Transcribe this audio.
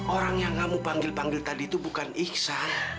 orang yang kamu panggil panggil tadi itu bukan iksan